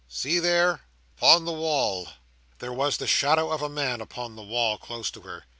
See there! upon the wall!" There was the shadow of a man upon the wall close to her.